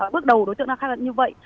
bước đầu đối tượng đã khai lận như vậy